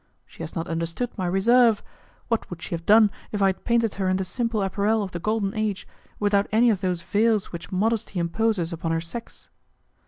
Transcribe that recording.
She has not understood my reserve! What would she have done, if I had painted her in the simple apparel of the golden age, without any of those veils which modesty imposes upon her sex!"